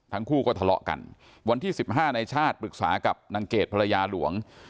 ทั้งคู่ก็ทะเลาะกันวันที่๑๕ในชาติปรึกษากับนางเกดภรรยาหลวง